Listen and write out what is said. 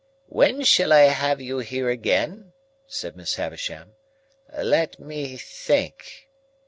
"When shall I have you here again?" said Miss Havisham. "Let me think."